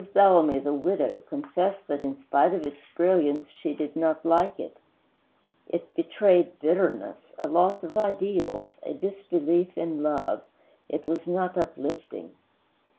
Bellamy the widow confessed that, in spite of its brilliance, she did not like it. It betrayed bitterness, a loss of ideals, a disbelief in love; it was not uplifting.